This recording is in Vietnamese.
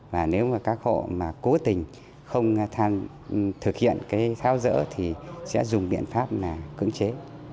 và nếu mà các hộ mà cố tình không thực hiện cái tháo dỡ thì sẽ dùng biện pháp cưỡng chế